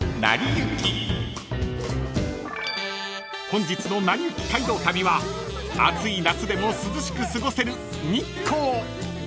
［本日の『なりゆき街道旅』は暑い夏でも涼しく過ごせる日光］